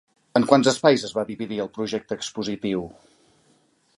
En quants espais es va dividir el projecte expositiu?